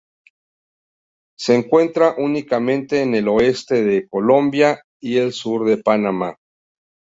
Se encuentra únicamente en el oeste de Colombia y el sur de Panamá.